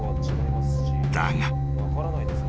［だが］